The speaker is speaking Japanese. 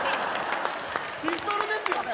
ピストルですよね？